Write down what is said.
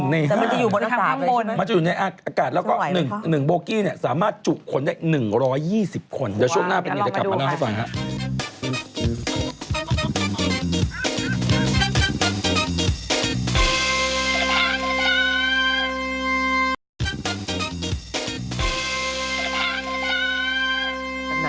อ๋อมันจะอยู่ในอากาศแล้วก็๑โบกี้เนี่ยสามารถจุกคนได้๑๒๐คนจะช่วงหน้าเป็นอย่างเงี้ยจะกลับมานั่งให้สวัสดิ์ครับ